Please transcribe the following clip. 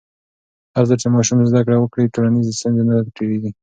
هرځل چې ماشوم زده کړه وکړي، ټولنیز ستونزې نه ډېرېږي.